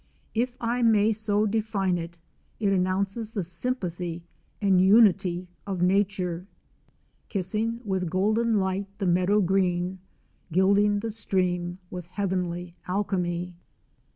If I may so define it, it announces the sympathy and unity of Nature, "Kissing with golden light the meadow green, Gilding the stream with heavenly alchemy."